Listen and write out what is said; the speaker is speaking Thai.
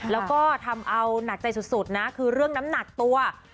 แล้วก็ทำเอาหนักใจสุดนะคือเรื่องน้ำหนักตัว